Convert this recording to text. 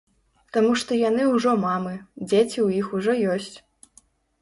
Таму што яны ўжо мамы, дзеці ў іх ужо ёсць.